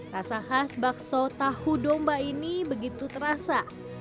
rasa khas bakso tahu domba ini begitu terasa